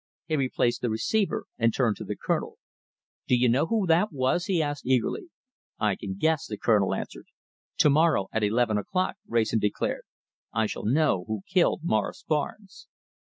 He replaced the receiver and turned to the Colonel. "Do you know who that was?" he asked eagerly. "I can guess," the Colonel answered. "To morrow, at eleven o'clock," Wrayson declared, "I shall know who killed Morris Barnes."